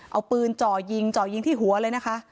เอาปืนจ่อยิงจ่อยิงที่หัวเลยนะคะ